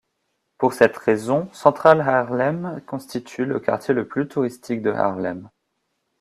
Pour cette raison, Central Harlem constitue le quartier le plus touristique de Harlem.